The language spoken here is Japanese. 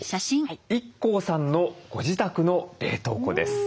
ＩＫＫＯさんのご自宅の冷凍庫です。